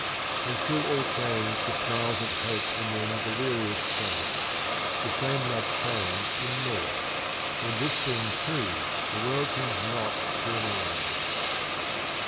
And through all change the smiles of hope amend The weariest face, the same love changed in nought : In this thing too the world comes not to an end.